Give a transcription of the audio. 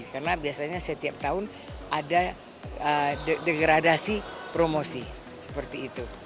karena biasanya setiap tahun ada degradasi promosi seperti itu